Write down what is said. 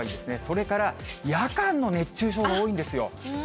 それから、夜間の熱中症が多いんですよ。